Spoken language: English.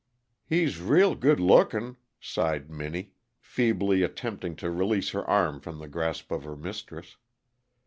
"He's real good lookin'," sighed Minnie, feebly attempting to release her arm from the grasp of her mistress.